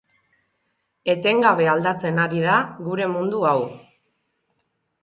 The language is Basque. Etengabe aldatzen ari da gure mundu hau.